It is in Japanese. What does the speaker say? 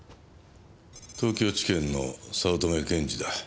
東京地検の早乙女検事だ。